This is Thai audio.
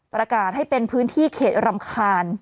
ประกาศให้เป็นพื้นที่เขตรำคาญ